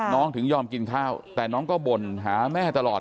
ถึงยอมกินข้าวแต่น้องก็บ่นหาแม่ตลอด